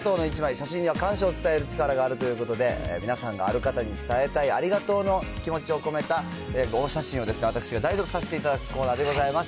写真には感謝を伝える力があるということで、皆さんが、ある方に伝えたいありがとうの気持ちを込めたお写真を、私が代読させていただくコーナーでございます。